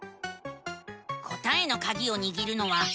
答えのカギをにぎるのはえら。